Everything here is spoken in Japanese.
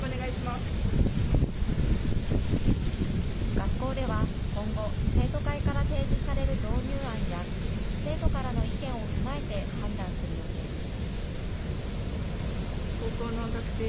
学校では今後、生徒会から提示される導入案や生徒からの意見を踏まえて判断する予定です。